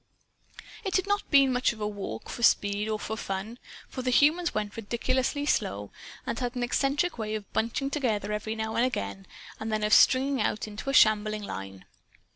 It had not been much of a walk, for speed or for fun. For the humans went ridiculously slowly, and had an eccentric way of bunching together, every now and again, and then of stringing out into a shambling line.